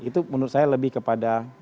itu menurut saya lebih kepada